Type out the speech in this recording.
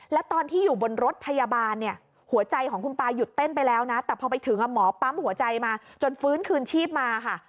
แล้วตอนที่อยู่บนรถพยาบาลเนี่ยหัวใจของคุณตาหยุดเต้นไปแล้วนะแต่พอไปถึงหมอปั๊มหัวใจมาจนฟื้นคืนชีพมาค่ะ